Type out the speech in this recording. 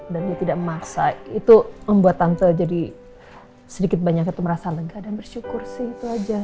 dan dia tidak memaksa itu membuat tante jadi sedikit banyak itu merasa lega dan bersyukur sih itu aja